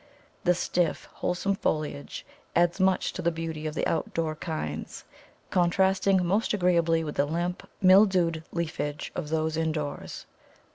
The stiff, wholesome foliage adds much to the beauty of the outdoor kinds, contrasting most agreeably with the limp, mildewed leafage of those indoors.